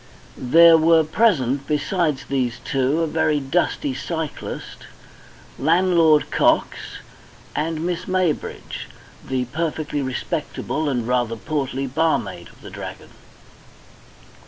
There were present, besides these two, a very dusty cyclist, landlord Cox, and Miss Maybridge, the perfectly respectable and rather portly barmaid of the Dragon.